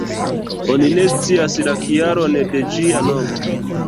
Oni ne scias la kialon de ĝia nomo.